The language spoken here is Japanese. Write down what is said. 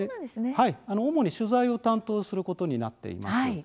主に取材を担当することになっています。